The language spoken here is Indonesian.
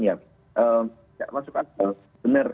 ya tidak masuk akal